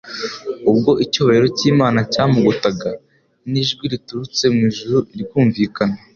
Ubwo icyubahiro cy'Imana cyamugotaga, n'ijwi riturutse mw'ijuru rikumvikana